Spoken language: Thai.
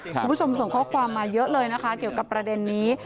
คุณผู้ชมส่งข้อความมาเยอะเลยนะคะเกี่ยวกับประเด็นนี้